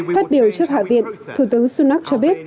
phát biểu trước hạ viện thủ tướng sunak cho biết